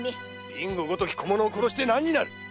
備後ごとき小者を殺して何になる？